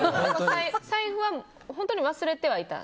財布は本当に忘れてはいた？